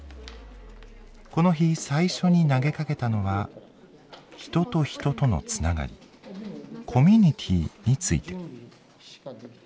この日最初に投げかけたのは人と人とのつながり「コミュニティー」について。